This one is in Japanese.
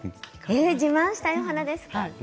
自慢したいお花ですか。